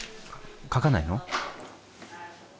描かないの？